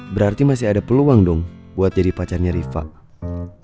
berarti masih ada peluang dong buat jadi pacarnya rifat